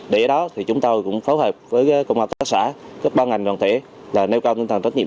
để đó thì chúng tôi cũng phối hợp với công an tác xã các ban ngành đoàn thể là nêu cao tinh thần trách nhiệm